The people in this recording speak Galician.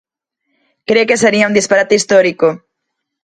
Cre que sería un disparate histórico.